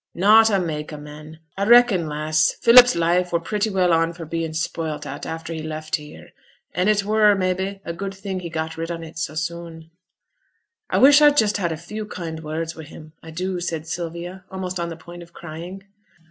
'Not a' mak' o' men. I reckon, lass, Philip's life were pretty well on for bein' spoilt at after he left here; and it were, mebbe, a good thing he got rid on it so soon.' 'I wish I'd just had a few kind words wi' him, I do,' said Sylvia, almost on the point of crying.